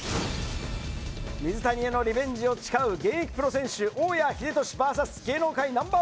水谷へのリベンジを誓う現役プロ選手・大矢英俊ＶＳ芸能界ナンバー